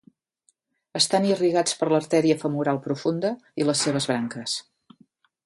Estan irrigats per l'artèria femoral profunda i les seves branques.